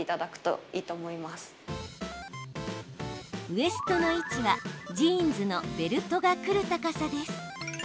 ウエストの位置は、ジーンズのベルトがくる高さです。